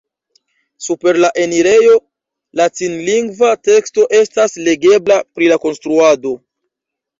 Super la enirejo latinlingva teksto estas legebla pri la konstruado.